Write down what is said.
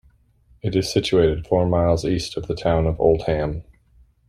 It is situated four miles east of the town of Oldham.